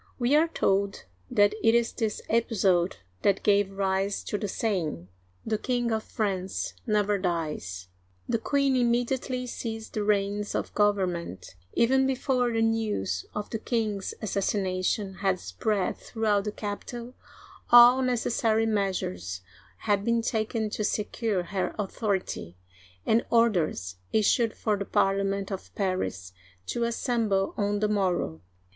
We are told that it is this episode that gave rise to the saying, " The King of France never dies." The queen immediately seized the reins of governments Even before the news of the king's assassination had spread throughout the capital, all necessary measures had been taken to secure her authority, and orders issued for the Parliament of Paris to assemble on the morrow.